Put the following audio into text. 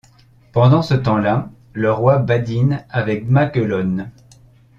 Pendant ce temps-là, le Roi badine avec Maguelonne.